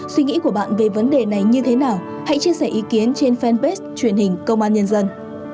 suy nghĩ của bạn về vấn đề này như thế nào hãy chia sẻ ý kiến trên fanpage truyền hình công an nhân dân